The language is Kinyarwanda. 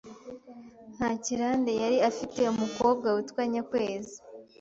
Ntakirande yari afite umukobwa witwa Nyakwezi